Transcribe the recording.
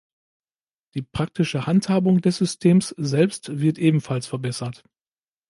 Die praktische Handhabung des Systems selbst wird ebenfalls verbessert.